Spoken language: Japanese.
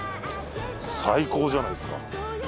最高じゃないですか。